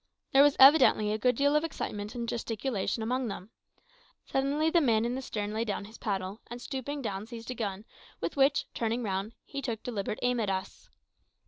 There was evidently a good deal of excitement and gesticulation among them. Suddenly the man in the stern laid down his paddle, and stooping down seized a gun, with which, turning round, he took deliberate aim at us.